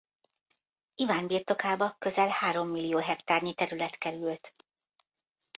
Iván birtokába közel hárommillió hektárnyi terület került.